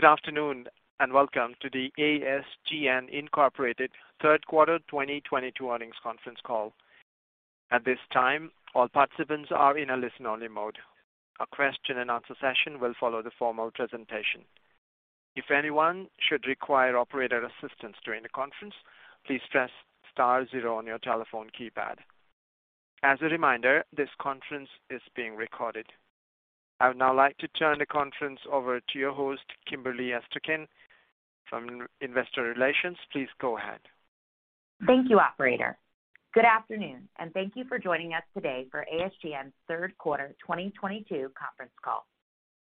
Good afternoon, and welcome to the ASGN Incorporated Q3 2022 Earnings Conference Call. At this time, all participants are in a listen-only mode. A question-and-answer session will follow the formal presentation. If anyone should require operator assistance during the conference, please press star zero on your telephone keypad. As a reminder, this conference is being recorded. I would now like to turn the conference over to your host, Kimberly Esterkin from Investor Relations. Please go ahead. Thank you, operator. Good afternoon, and thank you for joining us today for ASGN's Q3 2022 conference call.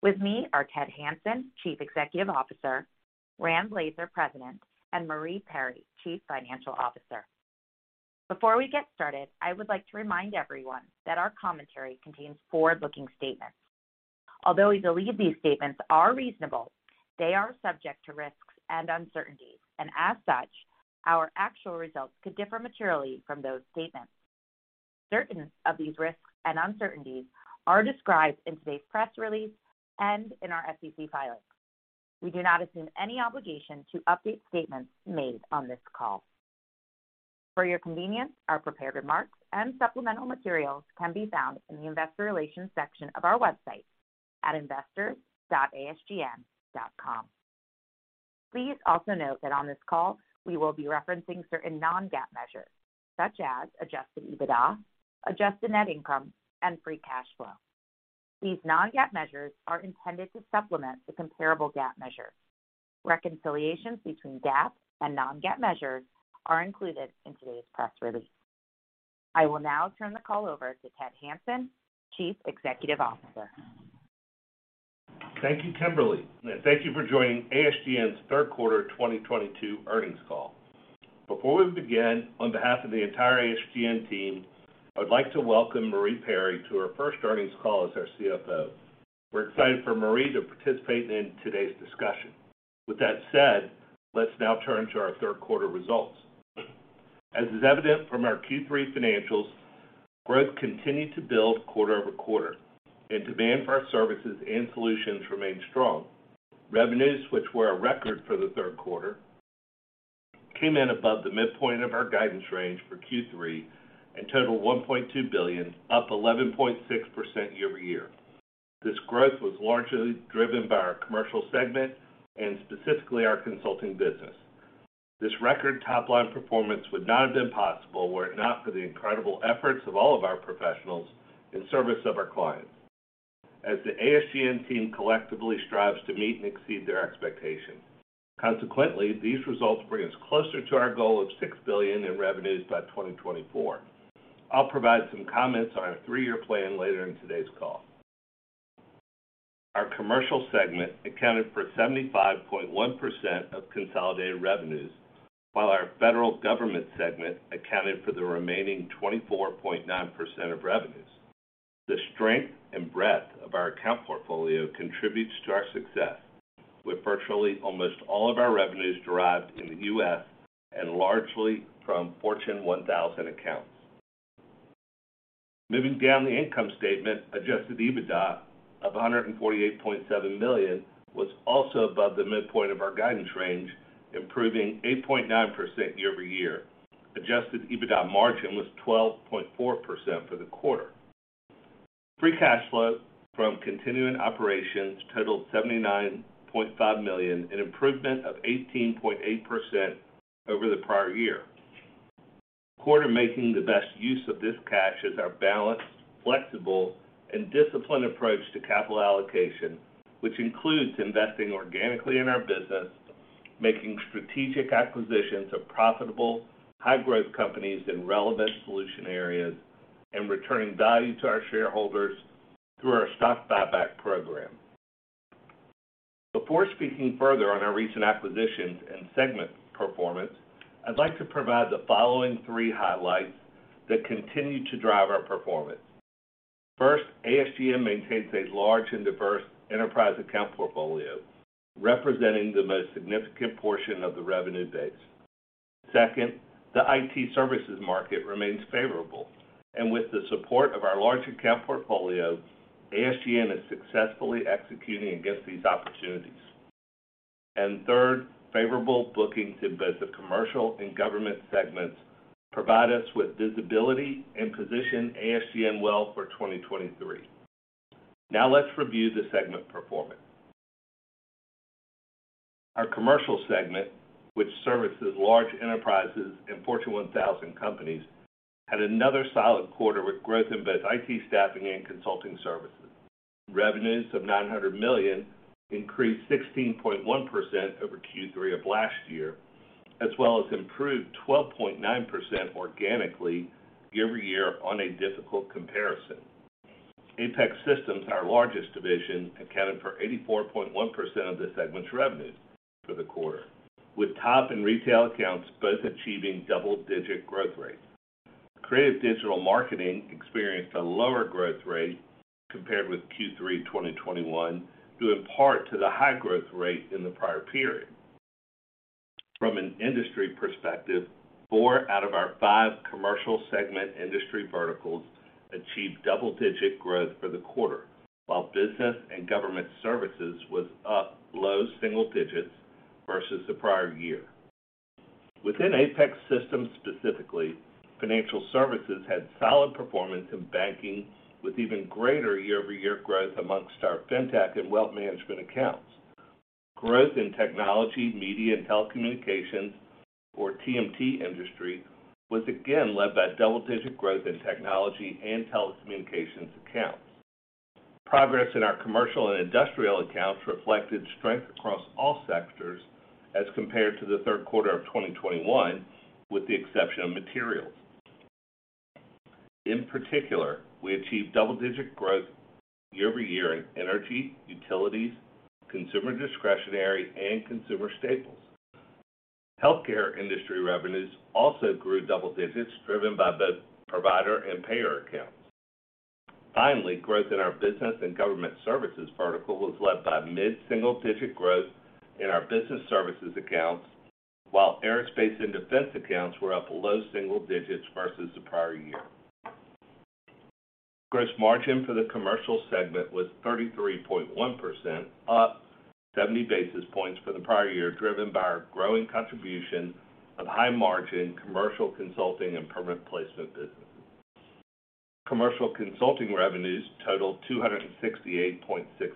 With me are Ted Hanson, Chief Executive Officer, Rand Blazer, President, and Marie Perry, Chief Financial Officer. Before we get started, I would like to remind everyone that our commentary contains forward-looking statements. Although we believe these statements are reasonable, they are subject to risks and uncertainties, and as such, our actual results could differ materially from those statements. Certain of these risks and uncertainties are described in today's press release and in our SEC filings. We do not assume any obligation to update statements made on this call. For your convenience, our prepared remarks and supplemental materials can be found in the investor relations section of our website at investors.asgn.com. Please also note that on this call, we will be referencing certain non-GAAP measures, such as adjusted EBITDA, adjusted net income, and free cash flow. These non-GAAP measures are intended to supplement the comparable GAAP measures. Reconciliations between GAAP and non-GAAP measures are included in today's press release. I will now turn the call over to Ted Hanson, Chief Executive Officer. Thank you, Kimberly. Thank you for joining ASGN's Q3 2022 earnings call. Before we begin, on behalf of the entire ASGN team, I would like to welcome Marie Perry to her first earnings call as our CFO. We're excited for Marie to participate in today's discussion. With that said, let's now turn to our Q3 results. As is evident from our Q3 financials, growth continued to build quarter-over-quarter, and demand for our services and solutions remained strong. Revenues, which were a record for the Q3, came in above the midpoint of our guidance range for Q3 and totaled $1.2 billion, up 11.6% year-over-year. This growth was largely driven by our commercial segment and specifically our consulting business. This record top-line performance would not have been possible were it not for the incredible efforts of all of our professionals in service of our clients, as the ASGN team collectively strives to meet and exceed their expectations. Consequently, these results bring us closer to our goal of $6 billion in revenues by 2024. I'll provide some comments on our three-year plan later in today's call. Our commercial segment accounted for 75.1% of consolidated revenues, while our federal government segment accounted for the remaining 24.9% of revenues. The strength and breadth of our account portfolio contributes to our success with virtually almost all of our revenues derived in the U.S. and largely from Fortune 1000 accounts. Moving down the income statement, adjusted EBITDA of $148.7 million was also above the midpoint of our guidance range, improving 8.9% year-over-year. Adjusted EBITDA margin was 12.4% for the quarter. Free cash flow from continuing operations totaled $79.5 million, an improvement of 18.8% over the prior-year. Quarter making the best use of this cash is our balanced, flexible, and disciplined approach to capital allocation, which includes investing organically in our business, making strategic acquisitions of profitable, high-growth companies in relevant solution areas, and returning value to our shareholders through our stock buyback program. Before speaking further on our recent acquisitions and segment performance, I'd like to provide the following three highlights that continue to drive our performance. First, ASGN maintains a large and diverse enterprise account portfolio, representing the most significant portion of the revenue base. Second, the IT services market remains favorable, and with the support of our large account portfolio, ASGN is successfully executing against these opportunities. Third, favorable bookings in both the commercial and government segments provide us with visibility and position ASGN well for 2023. Now let's review the segment performance. Our commercial segment, which services large enterprises and Fortune 1000 companies, had another solid quarter with growth in both IT staffing and consulting services. Revenues of $900 million increased 16.1% over Q3 of last year as well as improved 12.9% organically year-over-year on a difficult comparison. Apex Systems, our largest division, accounted for 84.1% of the segment's revenues for the quarter, with top and retail accounts both achieving double-digit growth rates. Creative digital marketing experienced a lower growth rate compared with Q3 2021, due in part to the high growth rate in the prior period. From an industry perspective, four out of our five commercial segment industry verticals achieved double-digit growth for the quarter, while business and government services was up low single digits versus the prior year. Within Apex Systems specifically, financial services had solid performance in banking with even greater year-over-year growth amongst our Fintech and wealth management accounts. Growth in technology, media, and telecommunications, or TMT industry, was again led by double-digit growth in technology and telecommunications accounts. Progress in our commercial and industrial accounts reflected strength across all sectors as compared to the Q3 of 2021, with the exception of materials. In particular, we achieved double-digit growth year-over-year in energy, utilities, consumer discretionary, and consumer staples. Healthcare industry revenues also grew double digits, driven by the provider and payer accounts. Finally, growth in our business and government services vertical was led by mid-single-digit growth in our business services accounts, while aerospace and defense accounts were up low single digits versus the prior year. Gross margin for the commercial segment was 33.1%, up 70 basis points for the prior year, driven by our growing contribution of high-margin commercial consulting and permanent placement business. Commercial consulting revenues totaled $268.6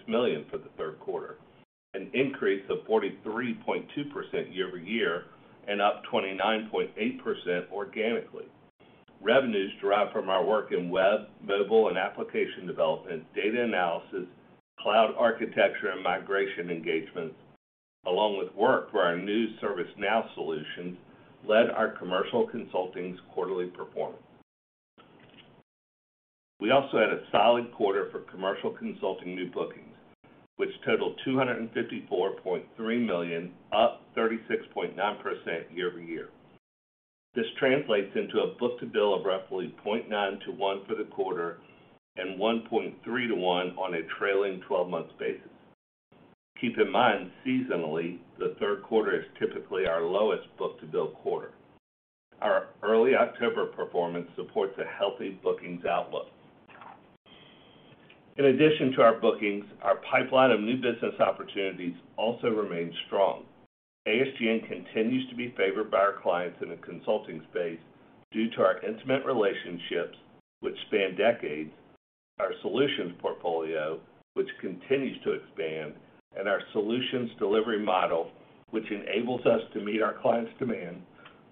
million for the Q3, an increase of 43.2% year-over-year and up 29.8% organically. Revenues derived from our work in web, mobile, and application development, data analysis, cloud architecture and migration engagements, along with work for our new ServiceNow solutions, led our commercial consulting's quarterly performance. We also had a solid quarter for commercial consulting new bookings, which totaled $254.3 million, up 36.9% year-over-year. This translates into a book-to-bill of roughly 0.9% to 1% for the quarter and 1.3% to 1% on a trailing twelve-month basis. Keep in mind, seasonally, the Q3 is typically our lowest book-to-bill quarter. Our early October performance supports a healthy bookings outlook. In addition to our bookings, our pipeline of new business opportunities also remains strong. ASGN continues to be favored by our clients in the consulting space due to our intimate relationships which span decades, our solutions portfolio, which continues to expand, and our solutions delivery model, which enables us to meet our clients' demand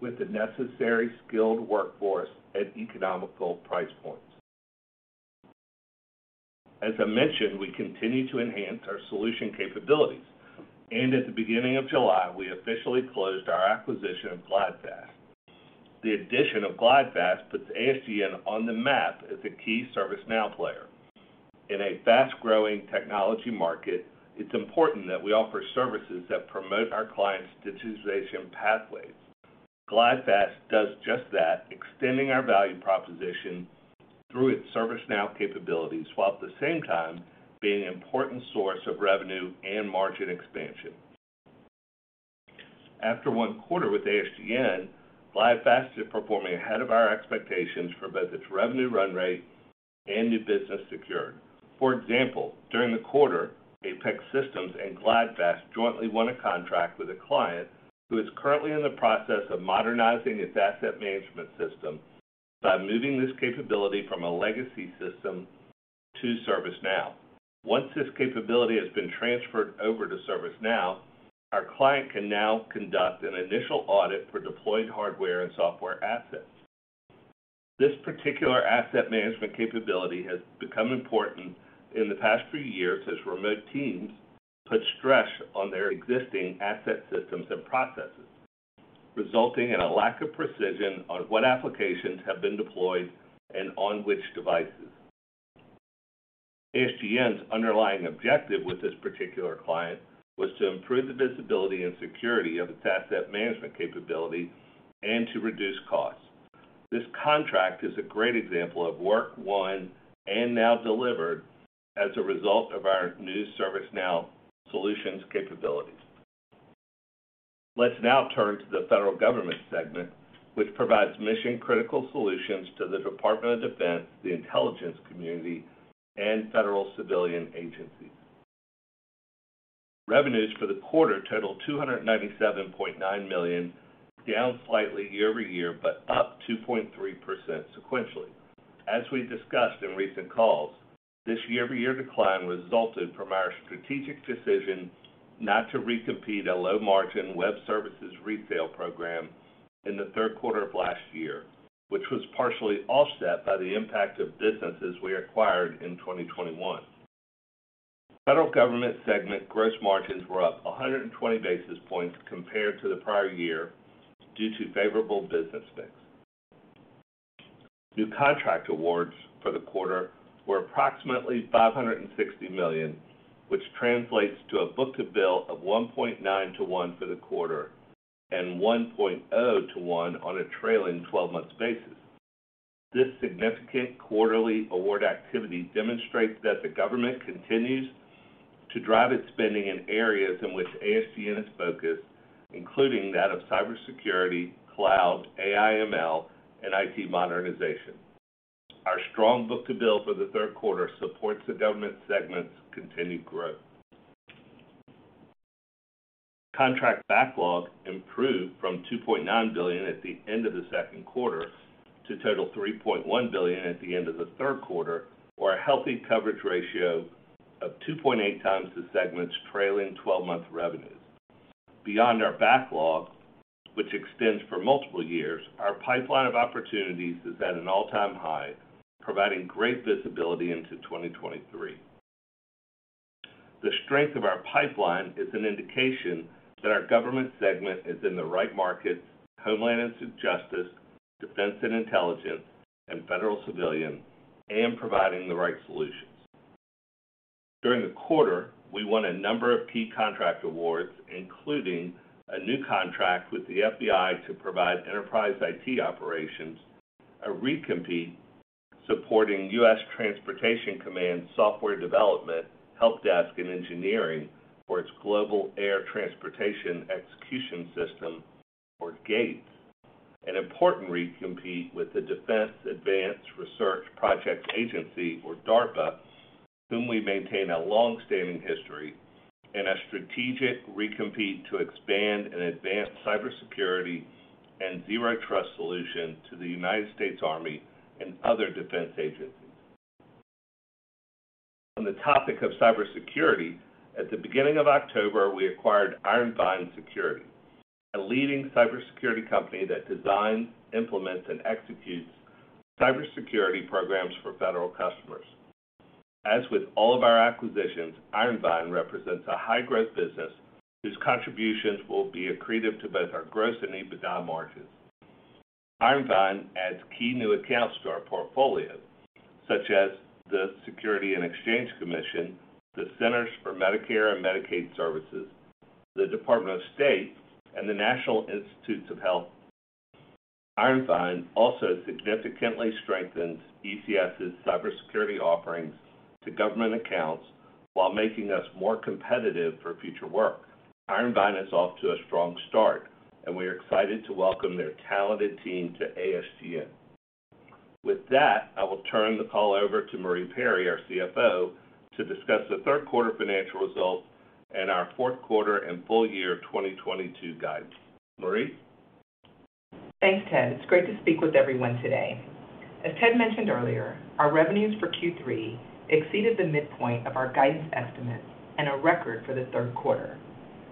with the necessary skilled workforce at economical price points. As I mentioned, we continue to enhance our solution capabilities, and at the beginning of July, we officially closed our acquisition of GlideFast. The addition of GlideFast puts ASGN on the map as a key ServiceNow player. In a fast-growing technology market, it's important that we offer services that promote our clients' digitization pathways. GlideFast does just that, extending our value proposition through its ServiceNow capabilities, while at the same time being an important source of revenue and margin expansion. After one quarter with ASGN, GlideFast is performing ahead of our expectations for both its revenue run rate and new business secured. For example, during the quarter, Apex Systems and GlideFast jointly won a contract with a client who is currently in the process of modernizing its asset management system by moving this capability from a legacy system to ServiceNow. Once this capability has been transferred over to ServiceNow, our client can now conduct an initial audit for deployed hardware and software assets. This particular asset management capability has become important in the past few years as remote teams put stress on their existing asset systems and processes, resulting in a lack of precision on what applications have been deployed and on which devices. ASGN's underlying objective with this particular client was to improve the visibility and security of its asset management capability and to reduce costs. This contract is a great example of work won and now delivered as a result of our new ServiceNow solutions capabilities. Let's now turn to the Federal Government segment, which provides mission-critical solutions to the Department of Defense, the Intelligence community, and Federal Civilian agencies. Revenues for the quarter totaled $297.9 million, down slightly year-over-year, but up 2.3% sequentially. As we discussed in recent calls, this year-over-year decline resulted from our strategic decision not to recompete a low-margin web services resale program in the Q3 of last year, which was partially offset by the impact of businesses we acquired in 2021. Federal Government segment gross margins were up 120 basis points compared to the prior year due to favorable business mix. New contract awards for the quarter were approximately $560 million, which translates to a book-to-bill of 1.9% to 1% for the quarter and 1.0% to 1% on a trailing twelve-month basis. This significant quarterly award activity demonstrates that the government continues to drive its spending in areas in which ASGN is focused, including that of cybersecurity, cloud, AI/ML, and IT modernization. Our strong book-to-bill for the Q3 supports the government segment's continued growth. Contract backlog improved from $2.9 billion at the end of the Q2 to total $3.1 billion at the end of the Q3, or a healthy coverage ratio of 2.8 times the segment's trailing twelve-month revenues. Beyond our backlog, which extends for multiple years, our pipeline of opportunities is at an all-time high, providing great visibility into 2023. The strength of our pipeline is an indication that our government segment is in the right markets, Homeland and Justice, Defense and Intelligence, and Federal Civilian, and providing the right solutions. During the quarter, we won a number of key contract awards, including a new contract with the FBI to provide enterprise IT operations, a recompete supporting U.S. Transportation Command software development, helpdesk, and engineering for its Global Air Transportation Execution System, or GATE. An important recompete with the Defense Advanced Research Projects Agency, or DARPA, whom we maintain a long-standing history, and a strategic recompete to expand an advanced cybersecurity and Zero Trust solution to the United States Army and other defense agencies. On the topic of cybersecurity, at the beginning of October, we acquired IronVine Security, a leading cybersecurity company that designs, implements, and executes cybersecurity programs for federal customers. As with all of our acquisitions, IronVine represents a high-growth business whose contributions will be accretive to both our gross and EBITDA margins. IronVine adds key new accounts to our portfolio, such as the Securities and Exchange Commission, the Centers for Medicare and Medicaid Services, the Department of State, and the National Institutes of Health. IronVine also significantly strengthens ECS's cybersecurity offerings to government accounts while making us more competitive for future work. IronVine is off to a strong start, and we are excited to welcome their talented team to ASGN. With that, I will turn the call over to Marie Perry, our CFO, to discuss the Q3 financial results and our Q4 and full year 2022 guidance. Marie? Thanks, Ted. It's great to speak with everyone today. As Ted mentioned earlier, our revenues for Q3 exceeded the midpoint of our guidance estimates and a record for the Q3.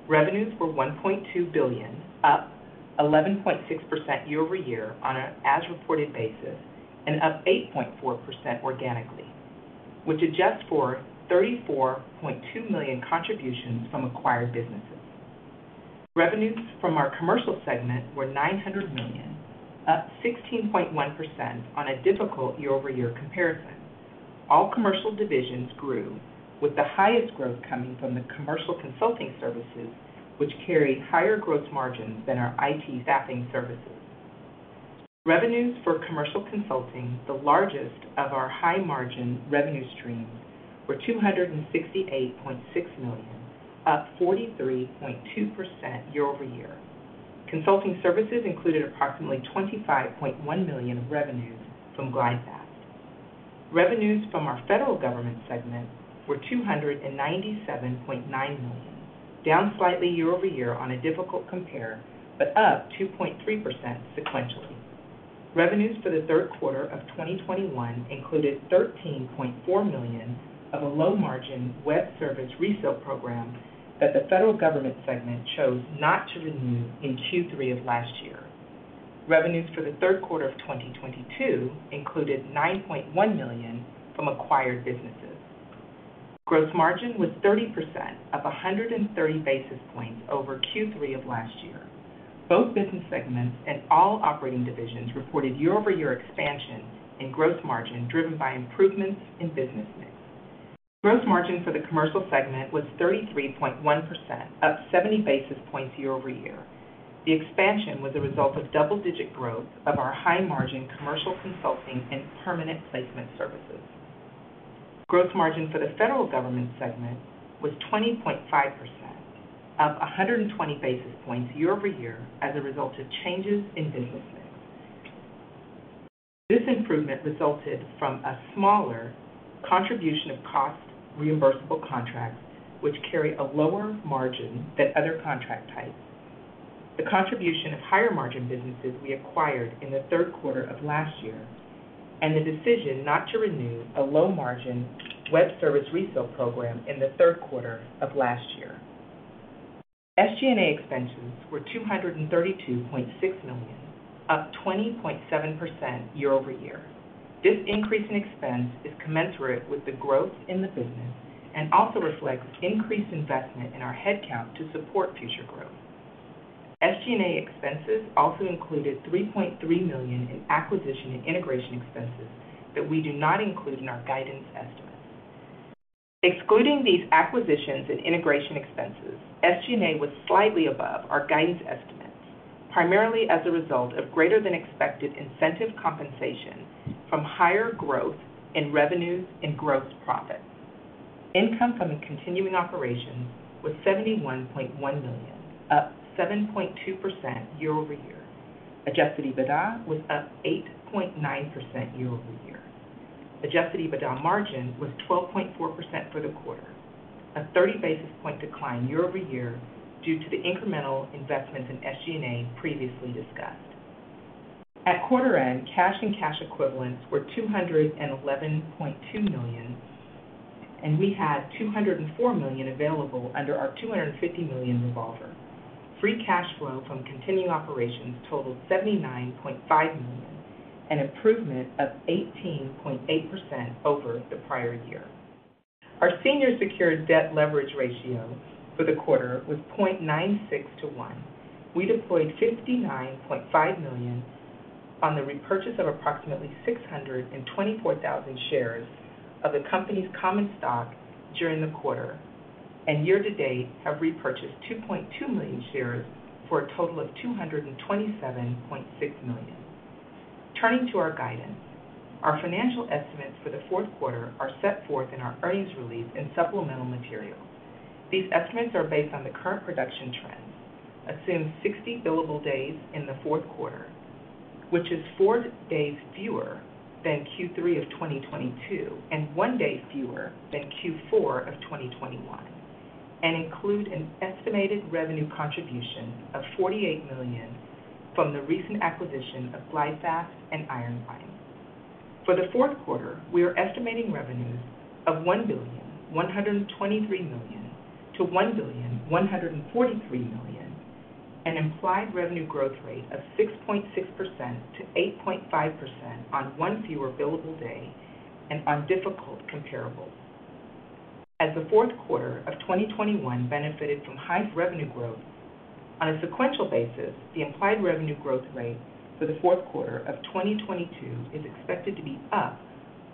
Revenues were $1.2 billion, up 11.6% year-over-year on an as-reported basis, and up 8.4% organically, which adjusts for $34.2 million contributions from acquired businesses. Revenues from our commercial segment were $900 million, up 16.1% on a difficult year-over-year comparison. All commercial divisions grew, with the highest growth coming from the commercial consulting services, which carry higher gross margins than our IT staffing services. Revenues for commercial consulting, the largest of our high-margin revenue streams, were $268.6 million, up 43.2% year-over-year. Consulting services included approximately $25.1 million of revenues from GlideFast. Revenues from our federal government segment were $297.9 million, down slightly year-over-year on a difficult compare, but up 2.3% sequentially. Revenues for the Q3 of 2021 included $13.4 million of a low-margin web service resale program that the federal government segment chose not to renew in Q3 of last year. Revenues for the Q3 of 2022 included $9.1 million from acquired businesses. Gross margin was 30%, up 130 basis points over Q3 of last year. Both business segments and all operating divisions reported year-over-year expansion in gross margin driven by improvements in business mix. Gross margin for the commercial segment was 33.1%, up 70 basis points year-over-year. The expansion was a result of double-digit growth of our high-margin commercial consulting and permanent placement services. Gross margin for the federal government segment was 20.5%, up 120 basis points year-over-year as a result of changes in business mix. This improvement resulted from a smaller contribution of cost reimbursable contracts, which carry a lower margin than other contract types. The contribution of higher-margin businesses we acquired in the Q3 of last year and the decision not to renew a low-margin web service resale program in the Q3 of last year. SG&A expenses were $232.6 million, up 20.7% year-over-year. This increase in expense is commensurate with the growth in the business and also reflects increased investment in our headcount to support future growth. SG&A expenses also included $3.3 million in acquisition and integration expenses that we do not include in our guidance estimates. Excluding these acquisitions and integration expenses, SG&A was slightly above our guidance estimates, primarily as a result of greater than expected incentive compensation from higher growth in revenues and gross profits. Income from continuing operations was $71.1 million, up 7.2% year-over-year. Adjusted EBITDA was up 8.9% year-over-year. Adjusted EBITDA margin was 12.4% for the quarter, a 30 basis point decline year-over-year due to the incremental investments in SG&A previously discussed. At quarter end, cash and cash equivalents were $211.2 million, and we had $204 million available under our $250 million revolver. Free cash flow from continuing operations totaled $79.5 million, an improvement of 18.8% over the prior year. Our senior secured debt leverage ratio for the quarter was 0.96 to 1. We deployed $59.5 million on the repurchase of approximately 624,000 shares of the company's common stock during the quarter, and year-to-date have repurchased 2.2 million shares for a total of $227.6 million. Turning to our guidance, our financial estimates for the Q4 are set forth in our earnings release and supplemental materials. These estimates are based on the current production trends, assume 60 billable days in the Q4, which is four days fewer than Q3 of 2022 and one day fewer than Q4 of 2021, and include an estimated revenue contribution of $48 million from the recent acquisition of GlideFast and IronVine. For the Q4, we are estimating revenues of $1.123 billion-$1.143 billion, an implied revenue growth rate of 6.6%-8.5% on one fewer billable day and on difficult comparables. As the Q4 of 2021 benefited from high revenue growth on a sequential basis, the implied revenue growth rate for the Q4 of 2022 is expected to be up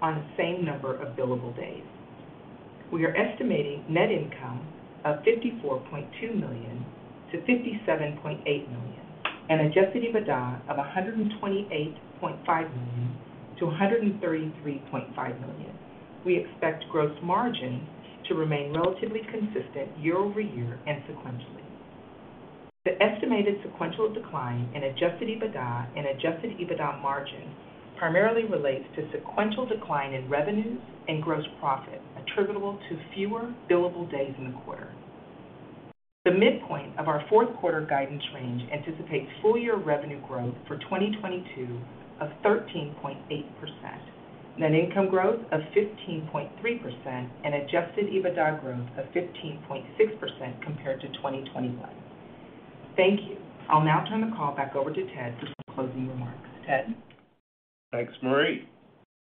on the same number of billable days. We are estimating net income of $54.2 million-$57.8 million and adjusted EBITDA of $128.5 million-$133.5 million. We expect gross margin to remain relatively consistent year-over-year and sequentially. The estimated sequential decline in adjusted EBITDA and adjusted EBITDA margin primarily relates to sequential decline in revenues and gross profit attributable to fewer billable days in the quarter. The midpoint of our Q4 guidance range anticipates full year revenue growth for 2022 of 13.8%, net income growth of 15.3%, and adjusted EBITDA growth of 15.6% compared to 2021. Thank you. I'll now turn the call back over to Ted for some closing remarks. Ted? Thanks, Marie.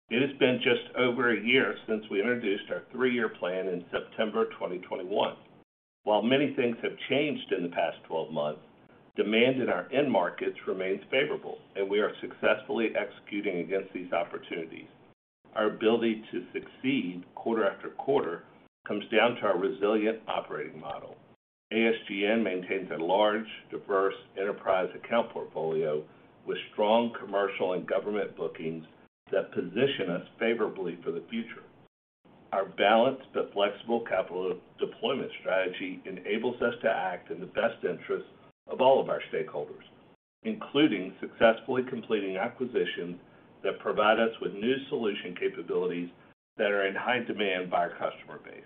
It has been just over a year since we introduced our three-year plan in September 2021. While many things have changed in the past 12 months, demand in our end markets remains favorable, and we are successfully executing against these opportunities. Our ability to succeed quarter after quarter comes down to our resilient operating model. ASGN maintains a large, diverse enterprise account portfolio with strong commercial and government bookings that position us favorably for the future. Our balanced but flexible capital deployment strategy enables us to act in the best interest of all of our stakeholders, including successfully completing acquisitions that provide us with new solution capabilities that are in high demand by our customer base.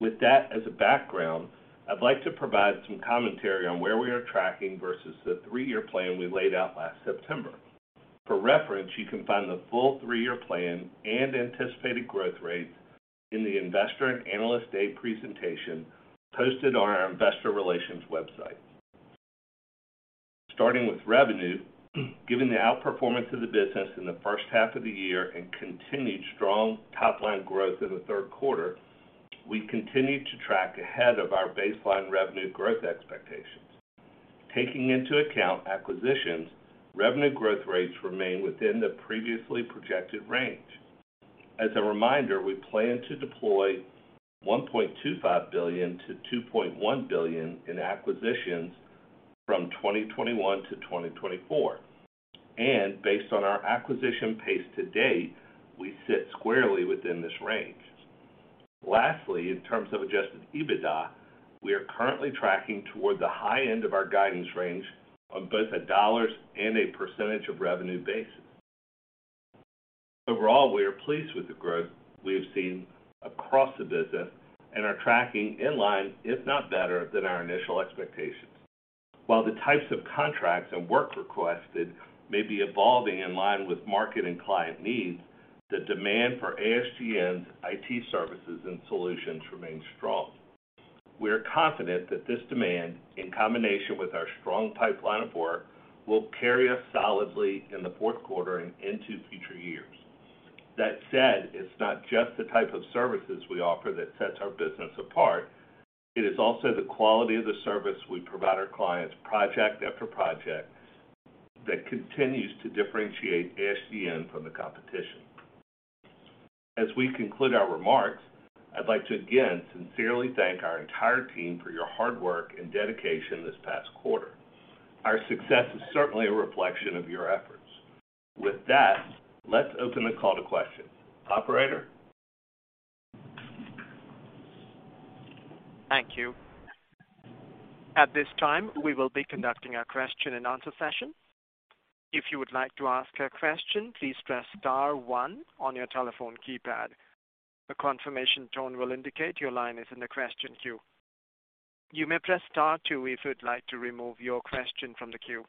With that as a background, I'd like to provide some commentary on where we are tracking versus the three-year plan we laid out last September. For reference, you can find the full three-year plan and anticipated growth rates in the Investor and Analyst Day presentation posted on our Investor Relations website. Starting with revenue, given the outperformance of the business in the H1 of the year and continued strong top-line growth in the Q3, we continue to track ahead of our baseline revenue growth expectations. Taking into account acquisitions, revenue growth rates remain within the previously projected range. As a reminder, we plan to deploy $1.25 billion-$2.1 billion in acquisitions from 2021 to 2024. Based on our acquisition pace to date, we sit squarely within this range. Lastly, in terms of adjusted EBITDA, we are currently tracking toward the high end of our guidance range on both a dollars and a percentage of revenue basis. Overall, we are pleased with the growth we have seen across the business and are tracking in line, if not better, than our initial expectations. While the types of contracts and work requested may be evolving in line with market and client needs, the demand for ASGN's IT services and solutions remains strong. We are confident that this demand, in combination with our strong pipeline of work, will carry us solidly in the Q4 and into future years. That said, it's not just the type of services we offer that sets our business apart. It is also the quality of the service we provide our clients project after project that continues to differentiate ASGN from the competition. As we conclude our remarks, I'd like to again sincerely thank our entire team for your hard work and dedication this past quarter. Our success is certainly a reflection of your efforts. With that, let's open the call to questions. Operator? Thank you. At this time, we will be conducting a question-and-answer session. If you would like to ask a question, please press star one on your telephone keypad. A confirmation tone will indicate your line is in the question queue. You may press star two if you'd like to remove your question from the queue.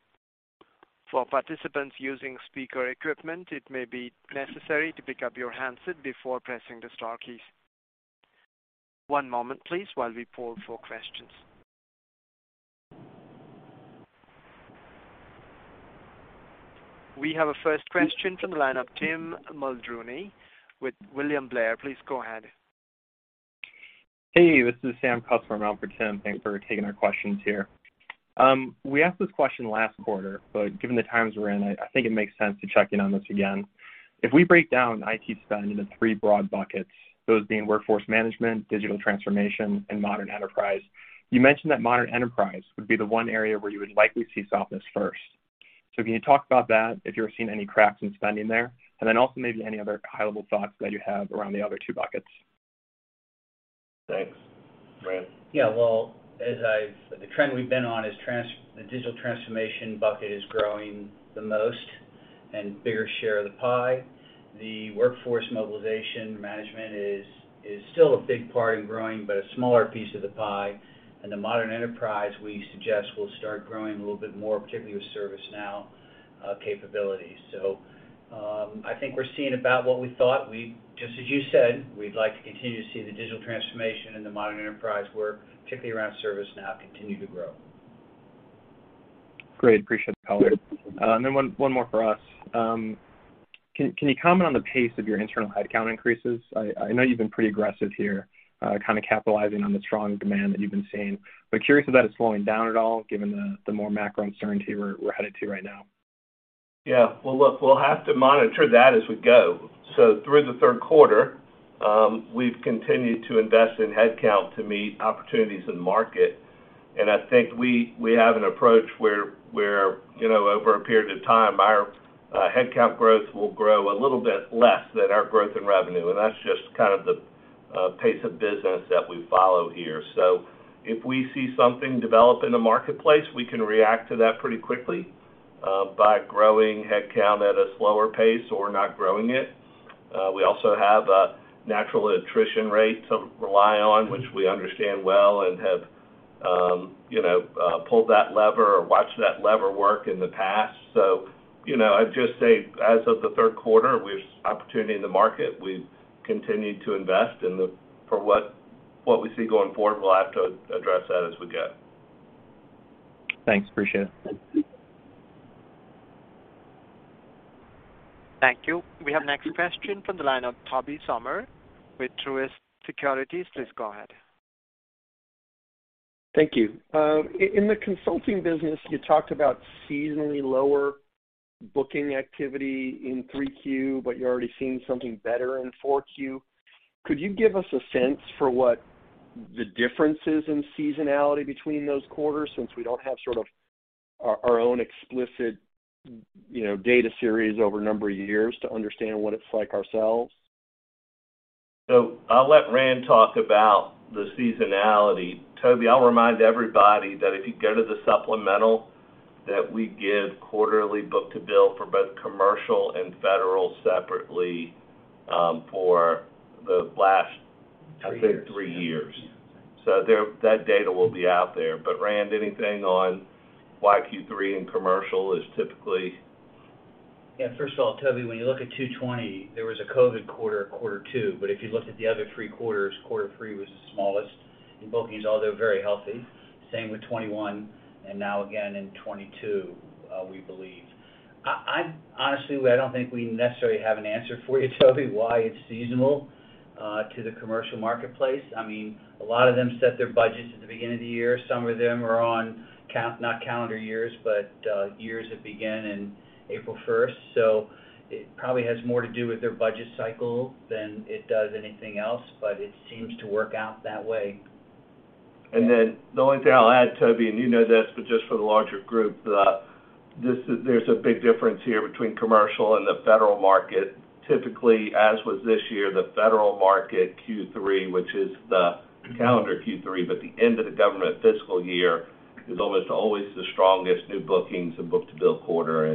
For participants using speaker equipment, it may be necessary to pick up your handset before pressing the star keys. One moment please while we poll for questions. We have a first question from the line of Tim Mulrooney with William Blair. Please go ahead. Hey, this is Maggie Nolan from Robert W. Baird. Thanks for taking our questions here. We asked this question last quarter, but given the times we're in, I think it makes sense to check in on this again. If we break down IT spend into three broad buckets, those being workforce management, digital transformation, and modern enterprise, you mentioned that modern enterprise would be the one area where you would likely see softness first. Can you talk about that, if you're seeing any cracks in spending there? Then also maybe any other high-level thoughts that you have around the other two buckets. Thanks. Rand? Yeah. Well, the trend we've been on is the digital transformation bucket is growing the most and bigger share of the pie. The workforce mobilization management is still a big part in growing, but a smaller piece of the pie. The modern enterprise, we suggest, will start growing a little bit more, particularly with ServiceNow capabilities. I think we're seeing about what we thought, just as you said, we'd like to continue to see the digital transformation in the modern enterprise work, particularly around ServiceNow, continue to grow. Great. Appreciate the color. One more for us. Can you comment on the pace of your internal headcount increases? I know you've been pretty aggressive here, kind of capitalizing on the strong demand that you've been seeing. Curious if that is slowing down at all given the more macro uncertainty we're headed to right now. Yeah. Well, look, we'll have to monitor that as we go. Through the Q3, we've continued to invest in headcount to meet opportunities in market. I think we have an approach where, you know, over a period of time, our headcount growth will grow a little bit less than our growth in revenue. That's just kind of the pace of business that we follow here. If we see something develop in the marketplace, we can react to that pretty quickly by growing headcount at a slower pace or not growing it. We also have a natural attrition rate to rely on, which we understand well and have, you know, pulled that lever or watched that lever work in the past. You know, I'd just say as of the Q3, we have opportunity in the market. We've continued to invest for what we see going forward. We'll have to address that as we go. Thanks. Appreciate it. Thank you. We have next question from the line of Tobey Sommer with Truist Securities. Please go ahead. Thank you. In the consulting business, you talked about seasonally lower booking activity in Q3, but you're already seeing something better in 4Q. Could you give us a sense for what the difference is in seasonality between those quarters, since we don't have sort of our own explicit, you know, data series over a number of years to understand what it's like ourselves? I'll let Rand talk about the seasonality. Tobey, I'll remind everybody that if you go to the supplemental that we give quarterly book-to-bill for both commercial and federal separately, for the last- Three years. I think three years. There that data will be out there. Rand, anything on why Q3 in commercial is typically. Yeah. First of all, Tobey, when you look at 2020, there was a COVID Q2, but if you looked at the other three quarters, Q3 was the smallest in bookings, although very healthy. Same with 2021 and now again in 2022, we believe. I honestly don't think we necessarily have an answer for you, Tobey, why it's seasonal to the commercial marketplace. I mean, a lot of them set their budgets at the beginning of the year. Some of them are on not calendar years, but years that begin in 1st April. It probably has more to do with their budget cycle than it does anything else, but it seems to work out that way. The only thing I'll add, Tobey, and you know this, but just for the larger group, there's a big difference here between commercial and the federal market. Typically, as was this year, the federal market Q3, which is the calendar Q3, but the end of the government fiscal year, is almost always the strongest new bookings and book-to-bill quarter.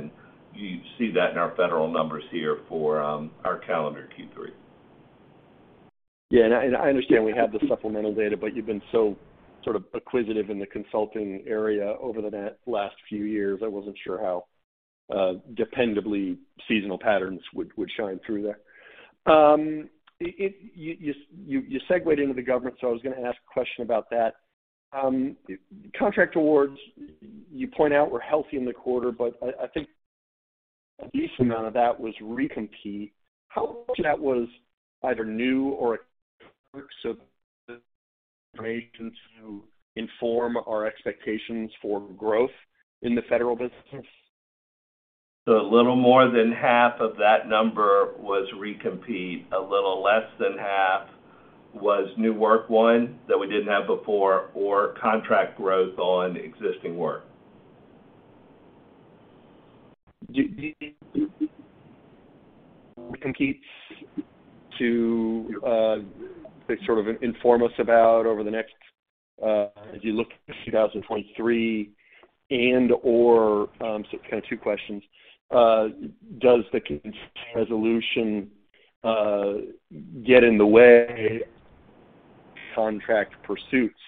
You see that in our federal numbers here for our calendar Q3. Yeah. I understand we have the supplemental data, but you've been so sort of acquisitive in the consulting area over the last few years. I wasn't sure how dependably seasonal patterns would shine through there. You segued into the government, so I was gonna ask a question about that. Contract awards, you point out were healthy in the quarter, but I think a decent amount of that was recompete. How much of that was either new or to inform our expectations for growth in the federal business? A little more than half of that number was recompete. A little less than half was new work that we didn't have before, or contract growth on existing work. of inform us about over the next as you look at 2023 and/or, kind of two questions. Does the resolution get in the way of contract pursuits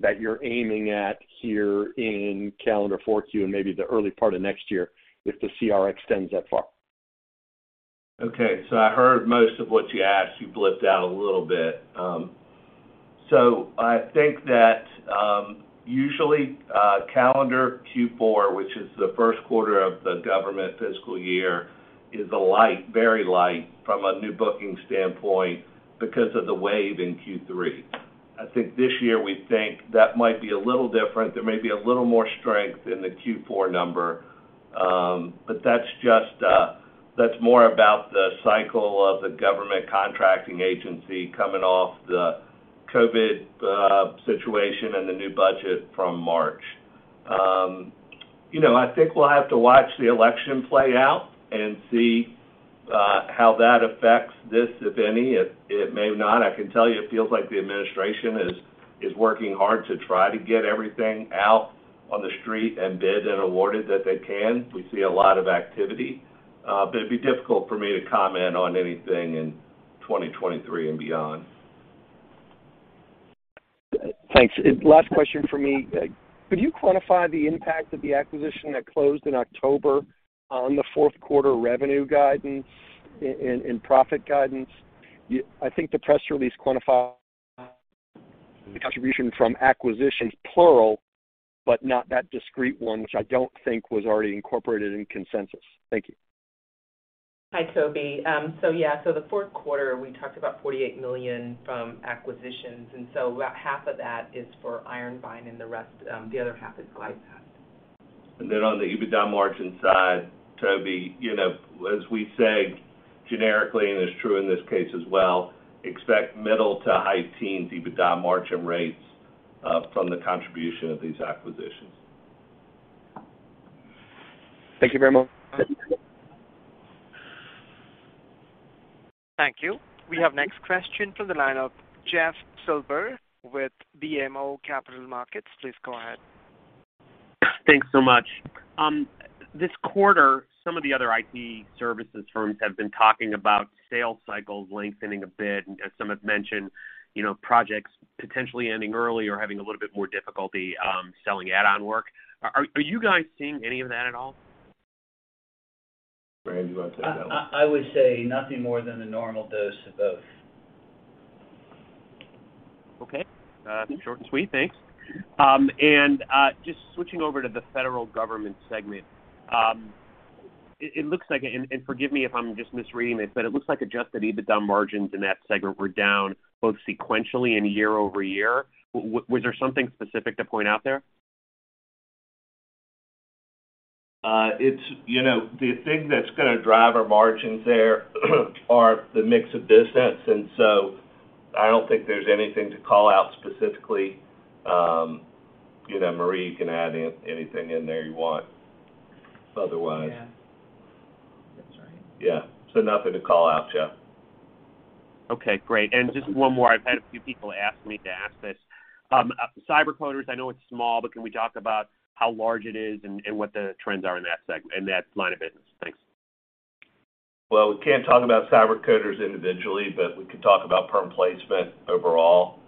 that you're aiming at here in calendar 4Q and maybe the early part of next year if the CR extends that far? Okay. I heard most of what you asked. You blipped out a little bit. I think that usually calendar Q4, which is the Q1 of the government fiscal year, is a light, very light from a new booking standpoint because of the wave in Q3. I think this year we think that might be a little different. There may be a little more strength in the Q4 number, but that's more about the cycle of the government contracting agency coming off the COVID situation and the new budget from March. You know, I think we'll have to watch the election play out and see how that affects this, if any. It may not. I can tell you it feels like the administration is working hard to try to get everything out on the street and bid and awarded that they can. We see a lot of activity. It'd be difficult for me to comment on anything in 2023 and beyond. Thanks. Last question for me. Could you quantify the impact of the acquisition that closed in October on the Q4 revenue guidance and profit guidance? I think the press release quantified the contribution from acquisitions, plural, but not that discrete one, which I don't think was already incorporated in consensus. Thank you. Hi, Tobey. Yeah. The Q4, we talked about $48 million from acquisitions, and about half of that is for IronVine, and the rest, the other half is GlideFast. On the EBITDA margin side, Tobey, you know, as we say generically, and it's true in this case as well, expect middle to high teens EBITDA margin rates from the contribution of these acquisitions. Thank you very much. Thank you. We have next question from the line of Jeff Silber with BMO Capital Markets. Please go ahead. Thanks so much. This quarter, some of the other IT services firms have been talking about sales cycles lengthening a bit. As some have mentioned, you know, projects potentially ending early or having a little bit more difficulty, selling add-on work. Are you guys seeing any of that at all? Rand, do you want to take that one? I would say nothing more than the normal dose of both. Okay. Short and sweet. Thanks. Just switching over to the federal government segment. It looks like, and forgive me if I'm just misreading this, but it looks like adjusted EBITDA margins in that segment were down both sequentially and year-over-year. Was there something specific to point out there? It's, you know, the thing that's gonna drive our margins there are the mix of business. I don't think there's anything to call out specifically. You know, Marie, you can add in anything in there you want. Otherwise. Yeah. That's right. Yeah. Nothing to call out, Jeff. Okay, great. Just one more. I've had a few people ask me to ask this. CyberCoders, I know it's small, but can we talk about how large it is and what the trends are in that line of business? Thanks. Well, we can't talk about CyberCoders individually, but we can talk about perm placement overall.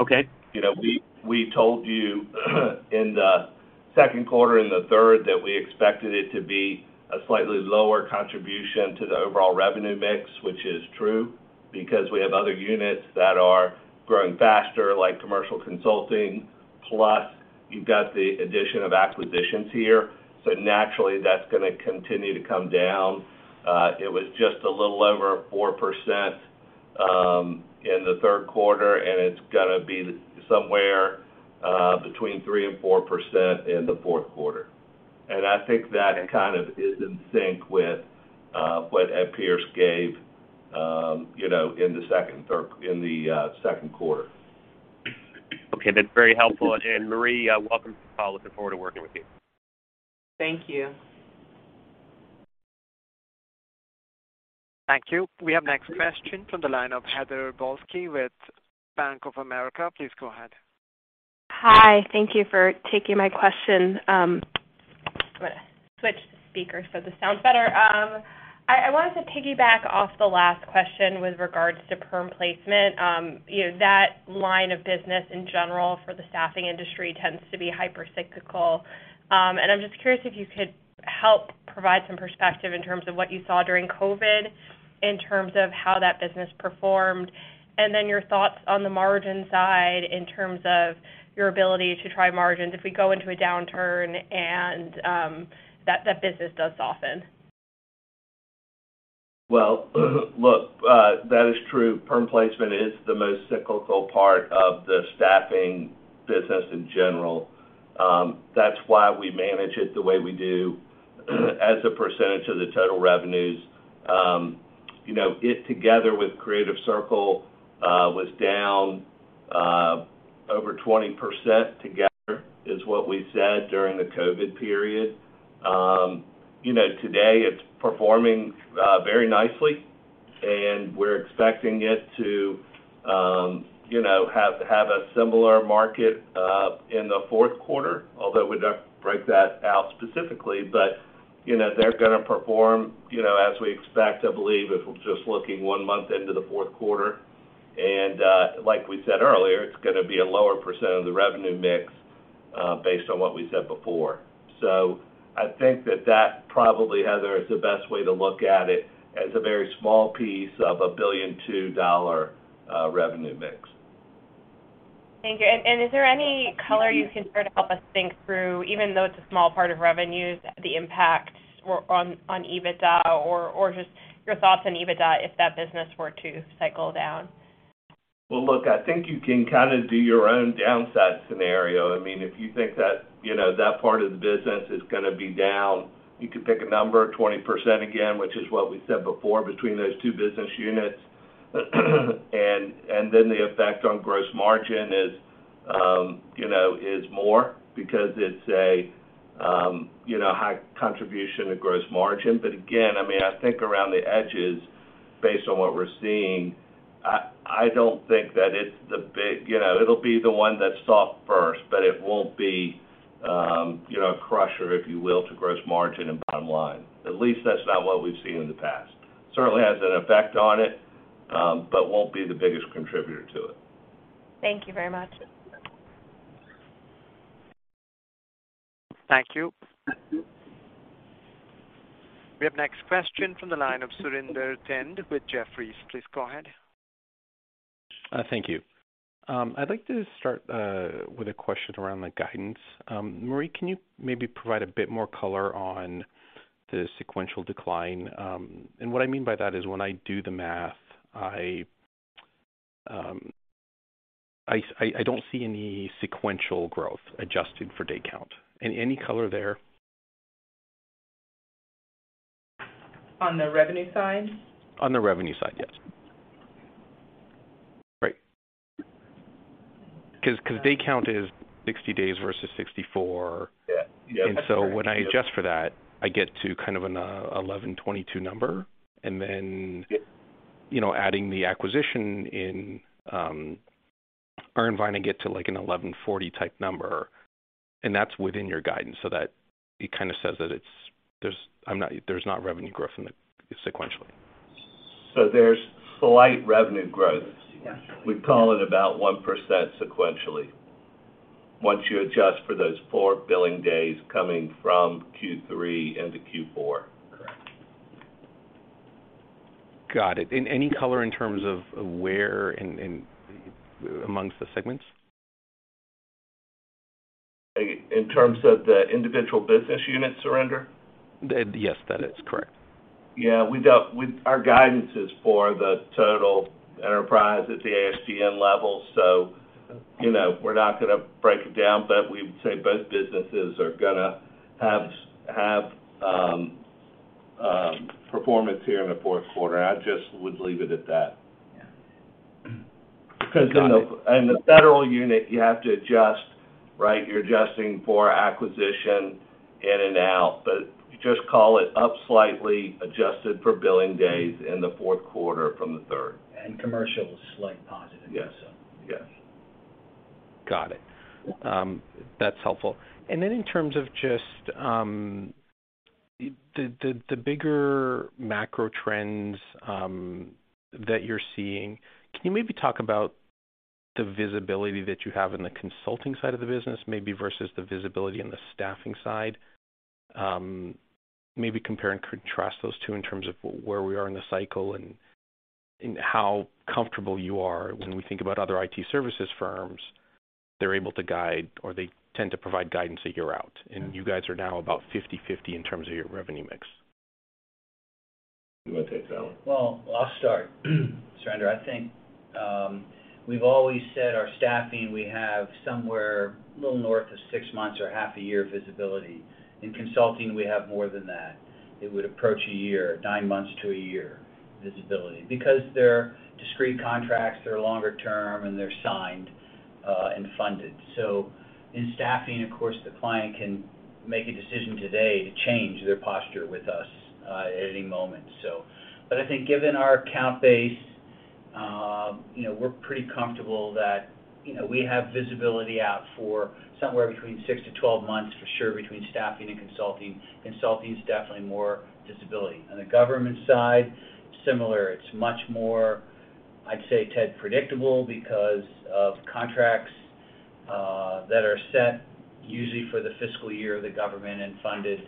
Okay. You know, we told you in the Q2 and the third that we expected it to be a slightly lower contribution to the overall revenue mix, which is true because we have other units that are growing faster, like commercial consulting, plus you've got the addition of acquisitions here. Naturally, that's gonna continue to come down. It was just a little over 4% in the Q3, and it's gonna be somewhere between 3% and 4% in the Q4. I think that kind of is in sync with what Ed Pierce gave, you know, in the Q2. Okay. That's very helpful. Marie, welcome to the call. Looking forward to working with you. Thank you. Thank you. We have next question from the line of Heather Balsky with Bank of America. Please go ahead. Hi. Thank you for taking my question. I'm gonna switch the speaker so this sounds better. I wanted to piggyback off the last question with regards to perm placement. You know, that line of business in general for the staffing industry tends to be hyper cyclical. I'm just curious if you could help provide some perspective in terms of what you saw during COVID in terms of how that business performed and then your thoughts on the margin side in terms of your ability to trim margins if we go into a downturn and that business does soften. Well, look, that is true. Perm placement is the most cyclical part of the staffing business in general. That's why we manage it the way we do as a percentage of the total revenues. You know, it together with Creative Circle was down over 20% together, is what we said during the COVID period. You know, today it's performing very nicely, and we're expecting it to you know, have a similar market in the Q4, although we don't break that out specifically. You know, they're gonna perform you know, as we expect, I believe, if we're just looking one month into the Q4. Like we said earlier, it's gonna be a lower percent of the revenue mix based on what we said before. I think that probably, Heather, is the best way to look at it, as a very small piece of a $1.2 billion revenue mix. Thank you. Is there any color you can sort of help us think through, even though it's a small part of revenues, the impact or on EBITDA or just your thoughts on EBITDA if that business were to cycle down? Well, look, I think you can kind of do your own downside scenario. I mean, if you think that, you know, that part of the business is gonna be down, you could pick a number, 20% again, which is what we said before between those two business units. Then the effect on gross margin is, you know, is more because it's a, you know, high contribution to gross margin. Again, I mean, I think around the edges, based on what we're seeing, I don't think that it's the big. You know, it'll be the one that's soft first, but it won't be, you know, a crusher, if you will, to gross margin and bottom line. At least that's not what we've seen in the past. Certainly has an effect on it, but won't be the biggest contributor to it. Thank you very much. Thank you. We have next question from the line of Surinder Thind with Jefferies. Please go ahead. Thank you. I'd like to start with a question around the guidance. Marie, can you maybe provide a bit more color on the sequential decline? What I mean by that is when I do the math, I don't see any sequential growth adjusted for day count. Any color there? On the revenue side? On the revenue side, yes. Right. 'Cause day count is 60 days versus 64. When I adjust for that, I get to kind of an 11-22 number. Then- You know, adding the acquisition in, IronVine, I get to like a 1,140 type number, and that's within your guidance, so that it kinda says that there's not revenue growth in it sequentially. There's slight revenue growth. Yeah. We'd call it about 1% sequentially once you adjust for those four billing days coming from Q3 into Q4. Got it. Any color in terms of where among the segments? In terms of the individual business units, Surinder? Yes, that is correct. Yeah. Our guidance is for the total enterprise at the ASDS level, so, you know, we're not gonna break it down. We would say both businesses are gonna have performance here in the Q4. I just would leave it at that. Yeah. Got it. 'Cause, you know, in the federal unit, you have to adjust, right? You're adjusting for acquisition in and out, but just call it up slightly, adjusted for billing days in the Q4 from the third. Commercial is slightly positive also. Yes. Yes. Got it. That's helpful. Then in terms of just the bigger macro trends that you're seeing, can you maybe talk about the visibility that you have in the consulting side of the business maybe versus the visibility in the staffing side? Maybe compare and contrast those two in terms of where we are in the cycle and how comfortable you are when we think about other IT services firms. They're able to guide or they tend to provide guidance a year out. You guys are now about 50/50 in terms of your revenue mix. You wanna take that one? Well, I'll start. Surinder, I think we've always said our staffing, we have somewhere a little north of six months or half a year visibility. In consulting, we have more than that. It would approach a year, nine months to a year visibility because they're discrete contracts, they're longer term, and they're signed and funded. In staffing, of course, the client can make a decision today to change their posture with us at any moment. I think given our account base, you know, we're pretty comfortable that, you know, we have visibility out for somewhere between six to 12 months for sure between staffing and consulting. Consulting is definitely more visibile. On the government side, similar. It's much more, I'd say, Ted, predictable because of contracts that are set usually for the fiscal year of the government and funded.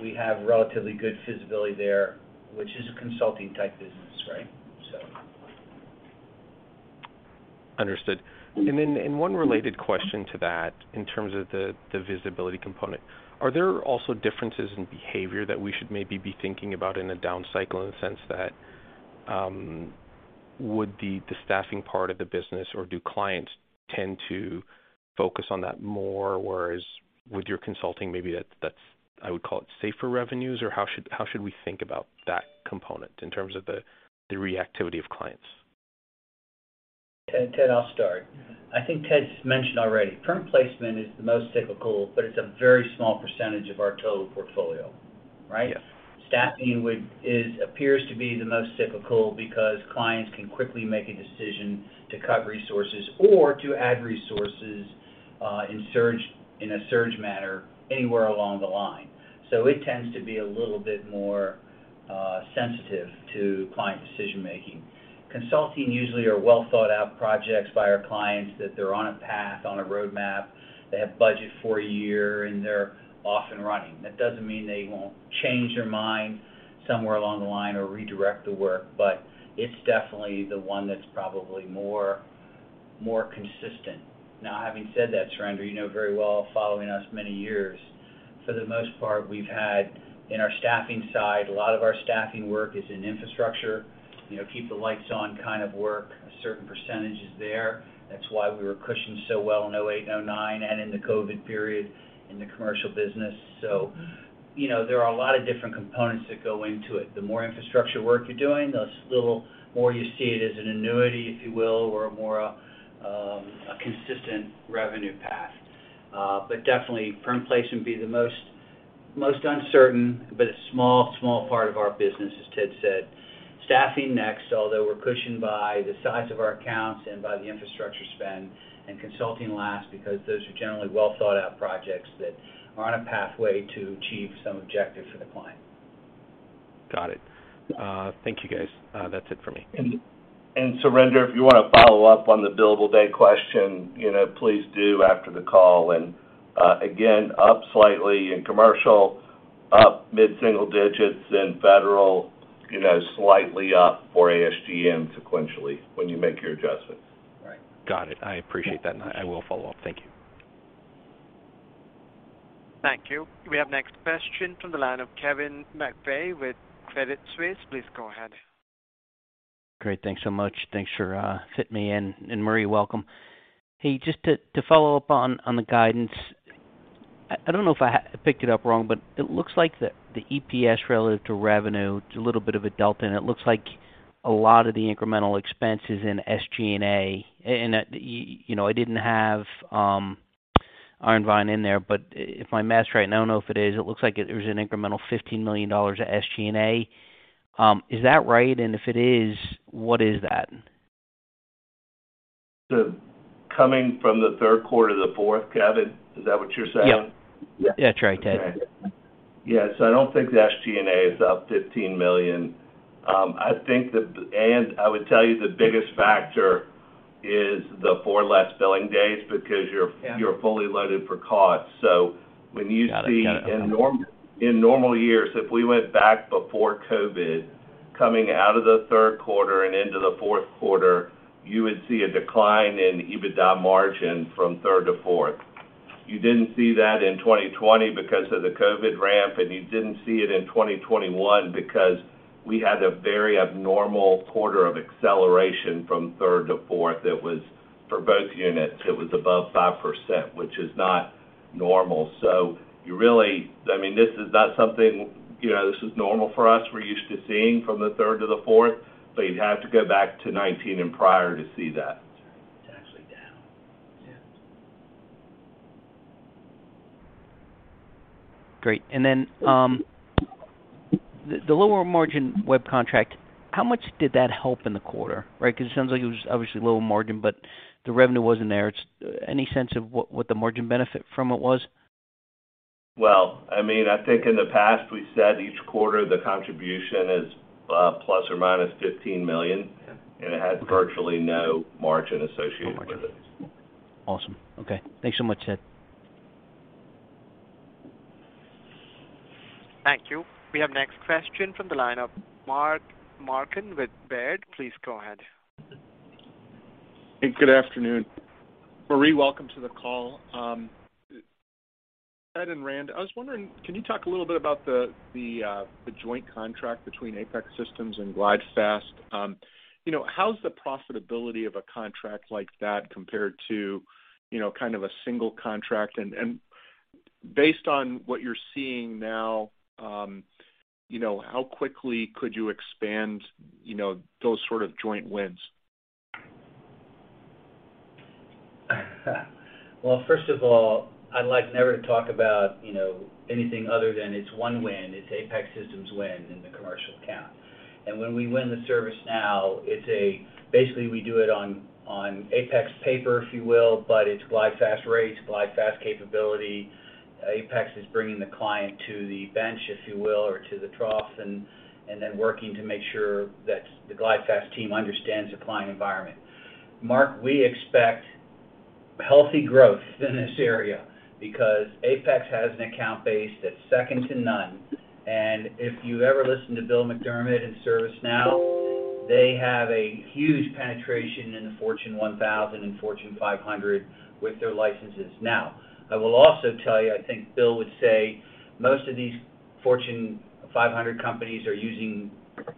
We have relatively good visibility there, which is a consulting type business, right? Understood. One related question to that in terms of the visibility component. Are there also differences in behavior that we should maybe be thinking about in a down cycle in the sense that would the de-staffing part of the business or do clients tend to focus on that more, whereas with your consulting, maybe that's I would call it safer revenues or how should we think about that component in terms of the reactivity of clients? Ted, I'll start. I think Ted's mentioned already, perm placement is the most cyclical, but it's a very small percentage of our total portfolio, right? Staffing appears to be the most cyclical because clients can quickly make a decision to cut resources or to add resources in a surge manner anywhere along the line. It tends to be a little bit more sensitive to client decision-making. Consulting usually are well thought out projects by our clients that they're on a path, on a roadmap. They have budget for a year, and they're off and running. That doesn't mean they won't change their mind somewhere along the line or redirect the work, but it's definitely the one that's probably more consistent. Now, having said that, Surinder, you know very well, following us many years, for the most part, we've had in our staffing side, a lot of our staffing work is in infrastructure, you know, keep the lights on kind of work. A certain percentage is there. That's why we were cushioned so well in 2008 and 2009 and in the COVID period in the commercial business. You know, there are a lot of different components that go into it. The more infrastructure work you're doing, the little more you see it as an annuity, if you will, or more, a consistent revenue path. But definitely perm placement would be the most uncertain, but a small part of our business, as Ted said. Staffing next, although we're cushioned by the size of our accounts and by the infrastructure spend. Consulting last because those are generally well thought out projects that are on a pathway to achieve some objective for the client. Got it. Thank you, guys. That's it for me. Surinder, if you wanna follow up on the billable day question, you know, please do after the call. Again, up slightly in commercial, up mid-single digits in federal, you know, slightly up for ASGN sequentially when you make your adjustments. Right. Got it. I appreciate that. I will follow up. Thank you. Thank you. We have next question from the line of Kevin McVeigh with Credit Suisse. Please go ahead. Great. Thanks so much. Thanks for fitting me in. Marie, welcome. Hey, just to follow up on the guidance. I don't know if I picked it up wrong, but it looks like the EPS relative to revenue, there's a little bit of a delta, and it looks like a lot of the incremental expenses in SG&A. And you know, I didn't have IronVine in there, but if I'm asked right now, I don't know if it is, it looks like it was an incremental $15 million of SG&A. Is that right? If it is, what is that? Coming from the Q3 to the fourth, Kevin? Is that what you're saying? Yeah. Yeah, that's right, Ted. Yeah. I don't think the SG&A is up $15 million. I think I would tell you the biggest factor is the four less billing days because you're fully loaded for cost. When you see in normal years, if we went back before COVID, coming out of the Q3 and into the Q4, you would see a decline in EBITDA margin from third to fourth. You didn't see that in 2020 because of the COVID ramp, and you didn't see it in 2021 because we had a very abnormal quarter of acceleration from third to fourth. For both units, it was above 5%, which is not normal. I mean, this is not something, you know, this is normal for us. We're used to seeing from the third to the fourth, but you'd have to go back to 2019 and prior to see that. It's actually down. Yeah. Great. The lower margin web contract, how much did that help in the quarter? Right? 'Cause it sounds like it was obviously lower margin, but the revenue wasn't there. Any sense of what the margin benefit from it was? Well, I mean, I think in the past we said each quarter the contribution is ±$15 million. Yeah. It has virtually no margin associated with it. Awesome. Okay. Thanks so much, Ted. Thank you. We have next question from the line of Mark Marcon with Baird. Please go ahead. Hey, good afternoon. Marie, welcome to the call. Ted and Rand, I was wondering, can you talk a little bit about the joint contract between Apex Systems and GlideFast? You know, how's the profitability of a contract like that compared to, you know, kind of a single contract? Based on what you're seeing now, you know, how quickly could you expand, you know, those sort of joint wins? Well, first of all, I'd like never to talk about, you know, anything other than it's one win. It's Apex Systems win in the commercial account. When we win ServiceNow, it's basically we do it on Apex paper, if you will, but it's GlideFast rates, GlideFast capability. Apex is bringing the client to the bench, if you will, or to the trough and then working to make sure that the GlideFast team understands the client environment. Mark, we expect healthy growth in this area because Apex has an account base that's second to none. If you ever listen to Bill McDermott in ServiceNow, they have a huge penetration in the Fortune 1000 and Fortune 500 with their licenses now. I will also tell you, I think Bill would say most of these Fortune 500 companies are using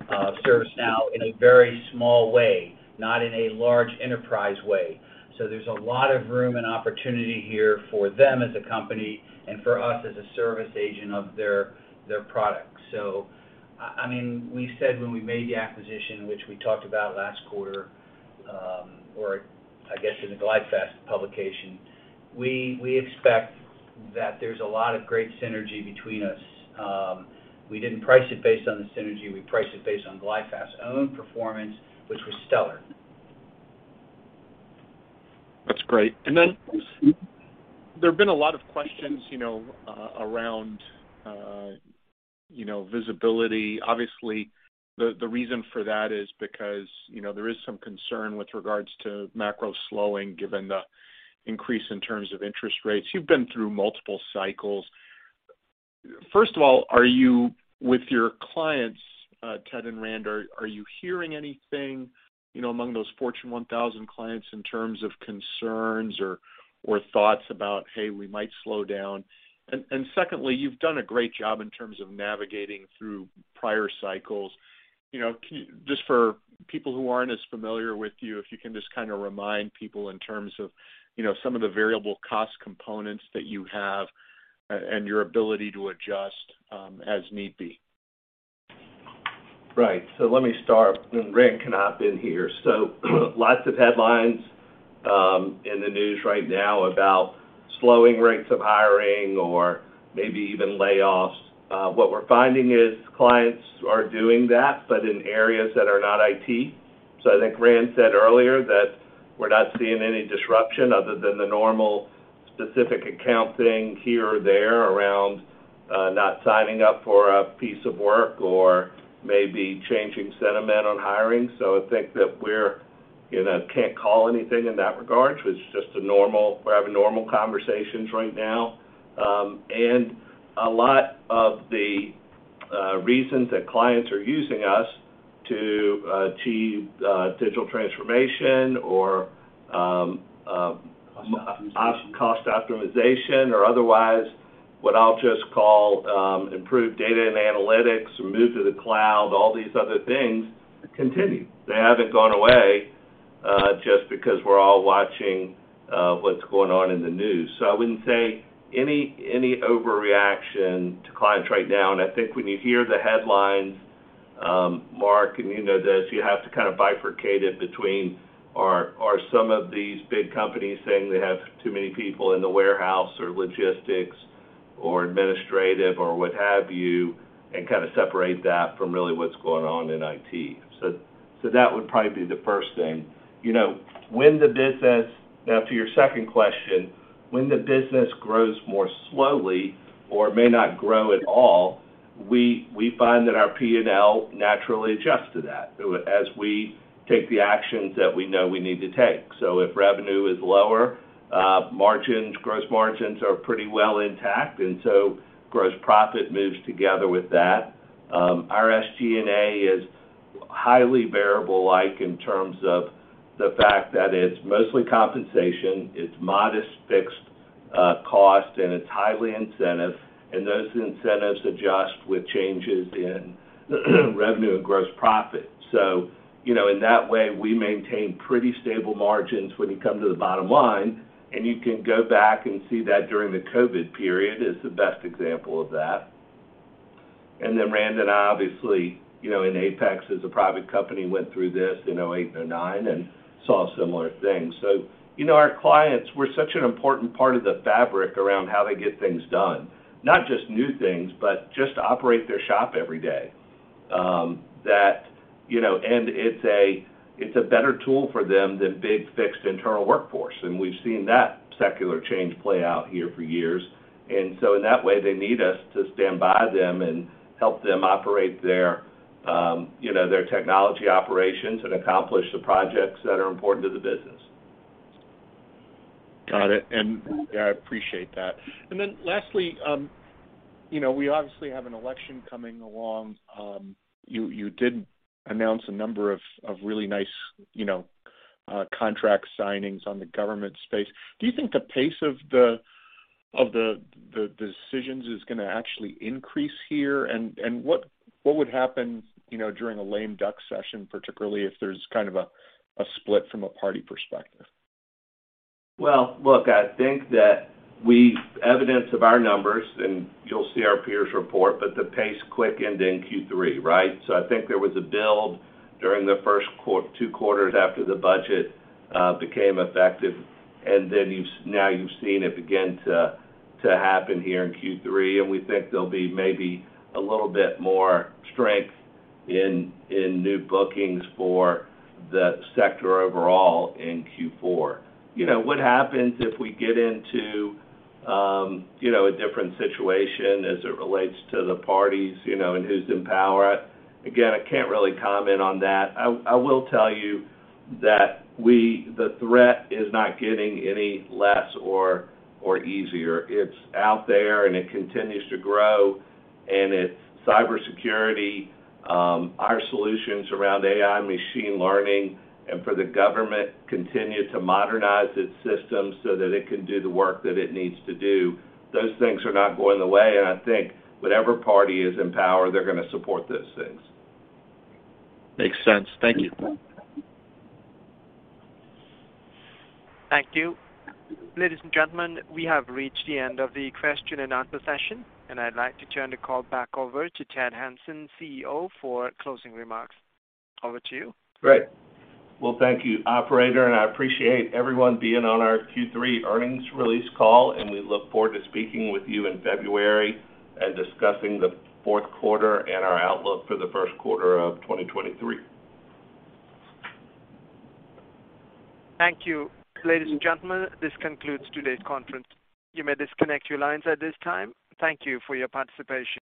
ServiceNow in a very small way, not in a large enterprise way. There's a lot of room and opportunity here for them as a company and for us as a service agent of their products. I mean, we said when we made the acquisition, which we talked about last quarter, or I guess in the GlideFast publication, we expect that there's a lot of great synergy between us. We didn't price it based on the synergy. We priced it based on GlideFast's own performance, which was stellar. That's great. Then there have been a lot of questions, you know, around, you know, visibility. Obviously, the reason for that is because, you know, there is some concern with regards to macro slowing given the increase in terms of interest rates. You've been through multiple cycles. First of all, are you with your clients, Ted and Rand, are you hearing anything, you know, among those Fortune 1000 clients in terms of concerns or thoughts about, hey, we might slow down? Secondly, you've done a great job in terms of navigating through prior cycles. You know, can you just, for people who aren't as familiar with you, if you can just kinda remind people in terms of, you know, some of the variable cost components that you have and your ability to adjust as need be. Right. Let me start, and Rand can hop in here. Lots of headlines in the news right now about slowing rates of hiring or maybe even layoffs. What we're finding is clients are doing that, but in areas that are not IT. I think Rand said earlier that we're not seeing any disruption other than the normal specific account thing here or there around not signing up for a piece of work or maybe changing sentiment on hiring. I think that we're, you know, can't call anything in that regard. It's just a normal. We're having normal conversations right now. A lot of the reasons that clients are using us to achieve digital transformation or [cost] optimization or otherwise, what I'll just call improved data and analytics or move to the cloud, all these other things continue. They haven't gone away just because we're all watching what's going on in the news. I wouldn't say any overreaction to clients right now. I think when you hear the headlines, Mark, and you know this, you have to kind of bifurcate it between are some of these big companies saying they have too many people in the warehouse or logistics or administrative or what have you, and kinda separate that from really what's going on in IT. That would probably be the first thing. You know, when the business, now to your second question, when the business grows more slowly or may not grow at all, we find that our P&L naturally adjusts to that as we take the actions that we know we need to take. If revenue is lower, gross margins are pretty well intact, and gross profit moves together with that. Our SG&A is highly variable-like in terms of the fact that it's mostly compensation, it's modest fixed cost, and it's highly incentivized, and those incentives adjust with changes in revenue and gross profit. You know, in that way, we maintain pretty stable margins when you come to the bottom line, and you can go back and see that during the COVID period is the best example of that. Rand and I obviously, you know, in Apex as a private company, went through this in 2008, 2009 and saw similar things. You know, our clients, we're such an important part of the fabric around how they get things done. Not just new things, but just operate their shop every day. It's a better tool for them than big fixed internal workforce, and we've seen that secular change play out here for years. In that way, they need us to stand by them and help them operate their technology operations and accomplish the projects that are important to the business. Got it. I appreciate that. Lastly, you know, we obviously have an election coming along. You did announce a number of really nice, you know, contract signings on the government space. Do you think the pace of the decisions is gonna actually increase here? What would happen, you know, during a lame duck session, particularly if there's kind of a split from a party perspective? Well, look, I think that we have evidence of our numbers, and you'll see our peers report, but the pace quickened in Q3, right? I think there was a build during the first two quarters after the budget became effective. Now you've seen it begin to happen here in Q3, and we think there'll be maybe a little bit more strength in new bookings for the sector overall in Q4. You know, what happens if we get into, you know, a different situation as it relates to the parties, you know, and who's in power? Again, I can't really comment on that. I will tell you that the threat is not getting any less or easier. It's out there, and it continues to grow. It's cybersecurity, our solutions around AI, machine learning, and for the government continue to modernize its systems so that it can do the work that it needs to do. Those things are not going away. I think whatever party is in power, they're gonna support those things. Makes sense. Thank you. Thank you. Ladies and gentlemen, we have reached the end of the question and answer session, and I'd like to turn the call back over to Ted Hanson, CEO, for closing remarks. Over to you. Great. Well, thank you, operator, and I appreciate everyone being on our Q3 earnings release call, and we look forward to speaking with you in February and discussing the Q4 and our outlook for the Q1 of 2023. Thank you. Ladies and gentlemen, this concludes today's conference. You may disconnect your lines at this time. Thank you for your participation.